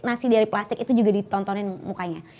nasi dari plastik itu juga ditontonin mukanya